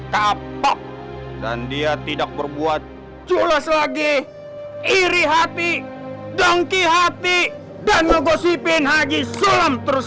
kapok dan dia tidak berbuat julas lagi iri hati dongki hati dan menggosipin haji sulam terus